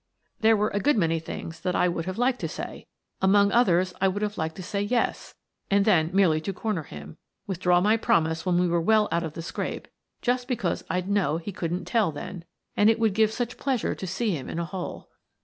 " There were a good many things that I would have liked to say. Among others, I would have liked to say "yes," and then, merely to corner him, with draw my promise when we were well out of the scrape — just because I'd know he couldn't tell then, and it would give such pleasure to see him in a hole.